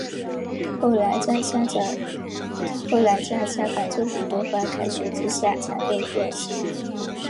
后来在香港政府多方斡旋之下才被获释。